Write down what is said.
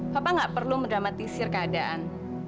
papa gak perlu mendramatisir keadaan